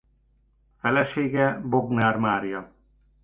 Felesége Bognár Mária.